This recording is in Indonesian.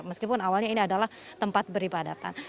meskipun awalnya ini adalah tempat beribadatan